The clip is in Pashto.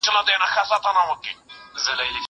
زه مخکي ونې ته اوبه ورکړې وې.